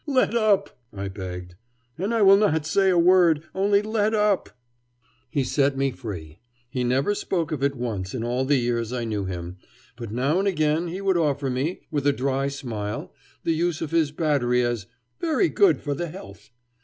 "Let up," I begged, "and I will not say a word. Only let up." He set me free. He never spoke of it once in all the years I knew him, but now and again he would offer me, with a dry smile, the use of his battery as "very good for the health."